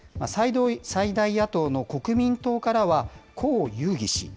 最大野党の国民党からは、侯友宜氏。